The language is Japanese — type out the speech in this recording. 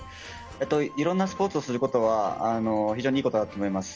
いろいろスポーツをすることは非常にいいことだと思います。